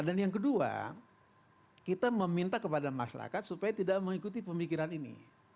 dan yang kedua kita meminta kepada masyarakat supaya tidak mengikuti pemikiran ini